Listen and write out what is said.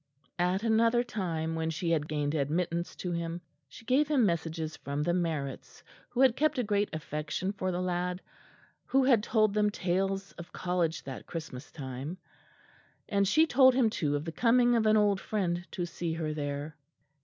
At another time, when she had gained admittance to him, she gave him messages from the Marretts, who had kept a great affection for the lad, who had told them tales of College that Christmas time; and she told him too of the coming of an old friend to see her there.